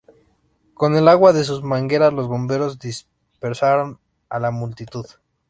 Con el agua de sus mangueras, los bomberos dispersaron a la multitud.